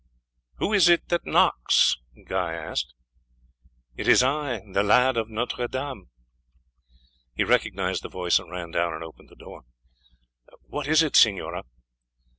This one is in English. "Who is it that knocks?" he asked. "It is I the lad of Notre Dame." He recognized the voice and ran down and opened the door. "What is it, signora?"